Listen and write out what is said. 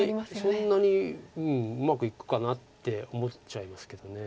うんそんなにうまくいくかなって思っちゃいますけど。